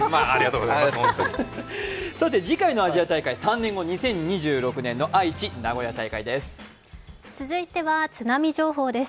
次回のアジア大会３年後２０２６年の続いては津波情報です。